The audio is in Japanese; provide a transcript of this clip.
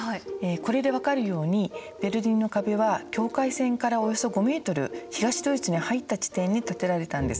これで分かるようにベルリンの壁は境界線からおよそ５ｍ東ドイツに入った地点に建てられたんです。